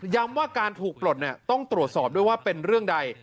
ว่าการถูกปลดต้องตรวจสอบด้วยว่าเป็นเรื่องใด